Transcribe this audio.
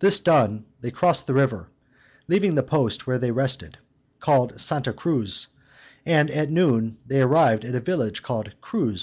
This done, they crossed the river, leaving the post where they had rested, called Santa Cruz, and at noon they arrived at a village called Cruz.